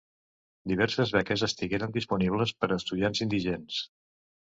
Diverses beques estigueren disponibles per a estudiants indigents.